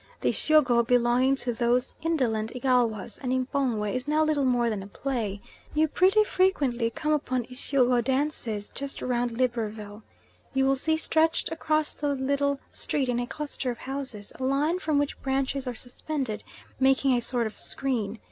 The Isyogo belonging to those indolent Igalwas, and M'pongwe is now little more than a play. You pretty frequently come upon Isyogo dances just round Libreville. You will see stretched across the little street in a cluster of houses, a line from which branches are suspended, making a sort of screen.